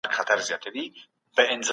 استازي کله د اتباعو ساتنه کوي؟